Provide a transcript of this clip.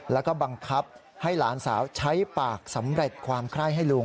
แล้วก็บังคับให้หลานสาวใช้ปากสำเร็จความไคร้ให้ลุง